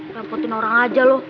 lemputin orang aja loh